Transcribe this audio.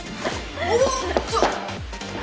おっと！